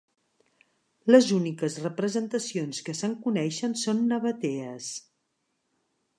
Les úniques representacions que se'n coneixen són nabatees.